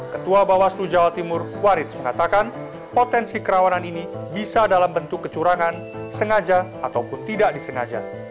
ketua bawaslu jawa timur waridz mengatakan potensi kerawanan ini bisa dalam bentuk kecurangan sengaja ataupun tidak disengaja